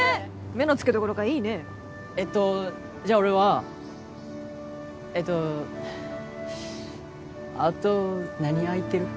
目のつけどころがいいねえっとじゃあ俺はえっとあと何空いてる？